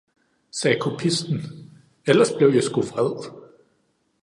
sagde kopisten, ellers blev jeg sgu vred!